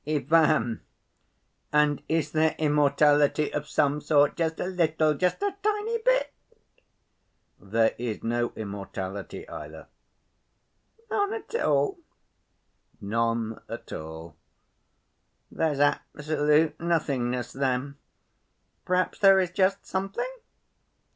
"Ivan, and is there immortality of some sort, just a little, just a tiny bit?" "There is no immortality either." "None at all?" "None at all." "There's absolute nothingness then. Perhaps there is just something?